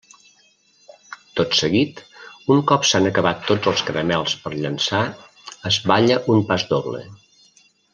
Tot seguit, un cop s'han acabat tots els caramels per llançar es balla un pasdoble.